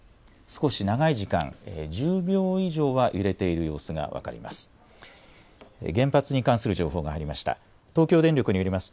少し長い時間、１０秒以上は揺れている様子が分かります。